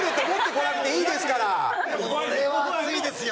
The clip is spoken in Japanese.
これは熱いですよ！